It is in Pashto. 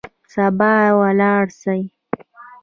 سبا به ولاړ سئ.